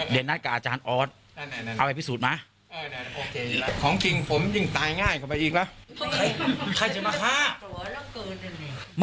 เดินหน้ากับอาจารย์ออสเอาไปอภิสูจน์มา